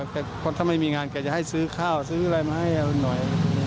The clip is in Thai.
แต่คนถ้าไม่มีงานแกจะให้ซื้อข้าวซื้ออะไรมาให้เอาหน่อย